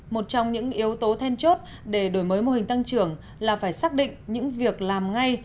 một trong những yếu tố then chốt để đổi mới mô hình tăng trưởng là phải xác định những việc làm ngay